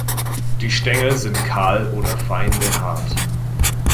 Die Stängel sind kahl oder fein behaart.